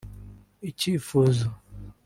‘‘Icyifuzo’’